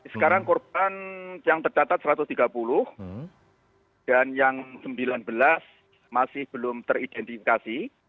sekarang korban yang tercatat satu ratus tiga puluh dan yang sembilan belas masih belum teridentifikasi